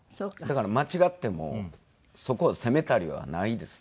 だから間違ってもそこを責めたりはないですね。